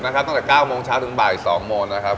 ตั้งแต่๐๙๐๐๑๑๐๐จน๒โมงแล้วครับ